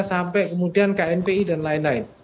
sampai kemudian knpi dan lain lain